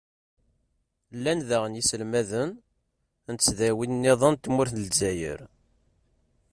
llan daɣen yiselmaden n tesdawin-nniḍen n tmurt n lezzayer.